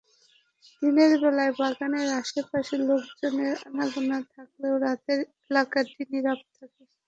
দিনের বেলায় বাগানের আশপাশে লোকজনের আনাগোনা থাকলেও রাতে এলাকাটি নীরব থাকে।